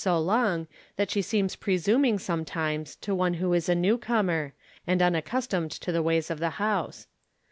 so long that she seems presuming sometimes to one "who is a new comer, ancL unaccustomed to the ways of the house.